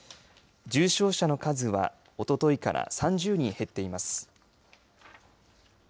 重症者の数はおとといから３０人減っています。